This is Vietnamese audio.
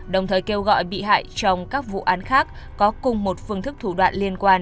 đồng thời kêu gọi bị hại trong các vụ án khác có cùng một phương thức thủ đoạn liên quan